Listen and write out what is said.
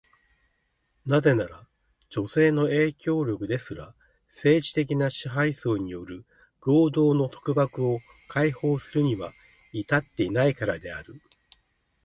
なぜなら、女性の影響力ですら、政治的な支配層による労働の束縛を解放するには至っていないからである。